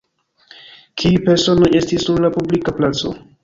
Kiuj personoj estis sur la publika placo?